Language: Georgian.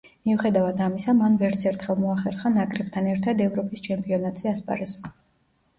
მიუხედავად ამისა, მან ვერცერთხელ მოახერხა ნაკრებთან ერთად ევროპის ჩემპიონატზე ასპარეზობა.